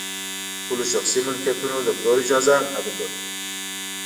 د خپلو شخصي ملکیتونو د پلور اجازه نه لرله.